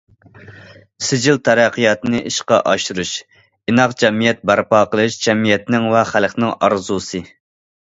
سىجىل تەرەققىياتنى ئىشقا ئاشۇرۇش، ئىناق جەمئىيەت بەرپا قىلىش جەمئىيەتنىڭ ۋە خەلقنىڭ ئارزۇسى.